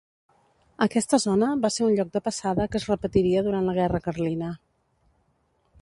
Aquesta zona va ser un lloc de passada que es repetiria durant la guerra carlina.